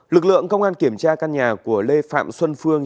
lực lượng công an kiểm tra căn nhà của lê phạm xuân phương